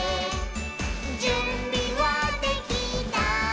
「じゅんびはできた？